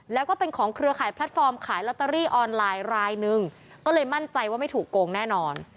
แล้วก็เป็นของเครือข่ายแพลตฟอร์มขายลอตเตอรี่ออนไลน์รายหนึ่งก็เลยมั่นใจว่าไม่ถูกโกงแน่นอน